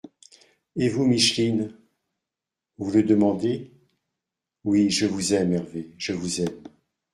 —«Et vous, Micheline ? —Vous le demandez ?… Oui, je vous aime, Hervé, je vous aime.